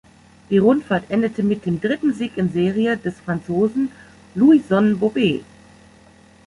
Die Rundfahrt endete mit dem dritten Sieg in Serie des Franzosen Louison Bobet.